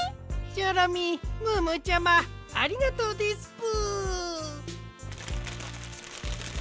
チョロミームームーちゃまありがとですぷ。